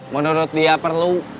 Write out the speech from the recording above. menurut dia perlu